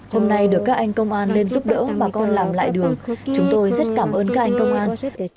hôm nay được các anh công an lên giúp đỡ bà con làm lại đường chúng tôi rất cảm ơn các anh công an